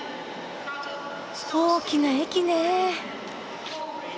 大きな駅ねぇ。